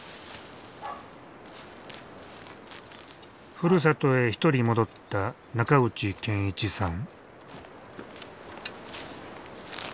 ふるさとへ一人戻った中内健一さん。